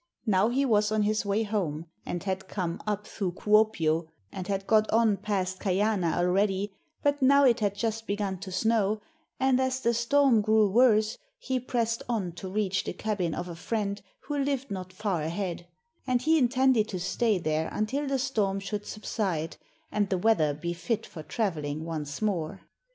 Now he was on his way home, and had come up through Kuopio, and had got on past Kajana already, but now it had just begun to snow, and as the storm grew worse, he pressed on to reach the cabin of a friend who lived not far ahead; and he intended to stay there until the storm should subside and the weather be fit for travelling once more.